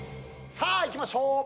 さあいきましょう。